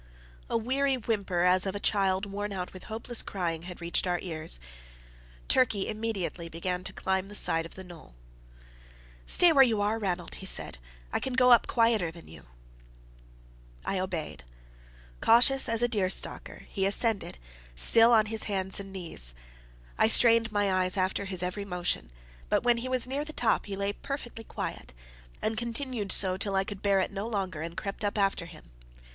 A weary whimper as of a child worn out with hopeless crying had reached our ears. Turkey immediately began to climb the side of the knoll. "Stay where you are, Ranald," he said. "I can go up quieter than you." I obeyed. Cautious as a deer stalker, he ascended, still on his hands and knees. I strained my eyes after his every motion. But when he was near the top he lay perfectly quiet, and continued so till I could bear it no longer, and crept up after him.